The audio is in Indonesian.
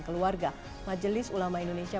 keluarga majelis ulama indonesia